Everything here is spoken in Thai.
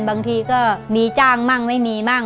บางทีก็มีจ้างมั่งไม่มีมั่ง